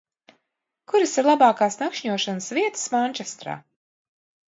Kuras ir labākās nakšņošanas vietas Mančestrā?